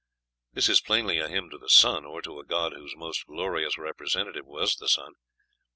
This is plainly a hymn to the sun, or to a god whose most glorious representative was the sun.